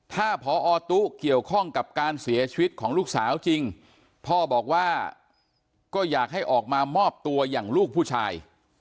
ถ้าพอตู้เกี่ยวข้องกับการเสียชีวิตของลูกสาวจริงพ่อบอกว่าก็อยากให้ออกมามอบตัวอย่างลูกผู้ชาย